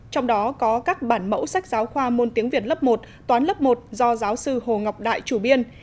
trong đó có các bản mẫu sách giáo khoa môn tiếng việt lớp một toán lớp một do giáo sư hồ ngọc đại chủ biên